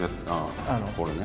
これね。